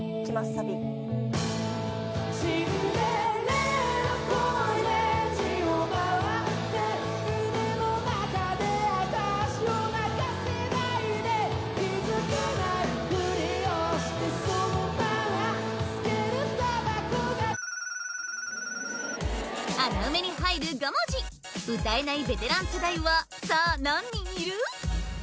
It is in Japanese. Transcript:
サビ穴埋めに入る５文字歌えないベテラン世代はさあ何人いる？